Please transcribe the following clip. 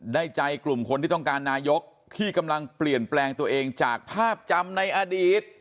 ได้ใจกลุ่มคนที่ต้องการนายกที่กำลังเปลี่ยนแปลงตัวเองจากภาพจำในอดีต